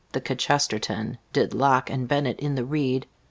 The kchesterton Did locke and bennett in the reed.